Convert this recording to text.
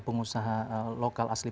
pengusaha lokal asli